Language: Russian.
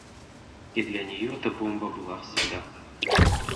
И для нее эта бомба была всегда